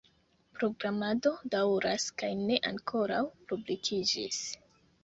Programado daŭras kaj ne ankoraŭ publikiĝis.